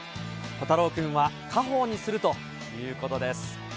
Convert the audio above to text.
虎太郎君は家宝にするということです。